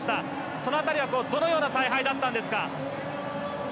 その辺りはどのような采配だったんですか？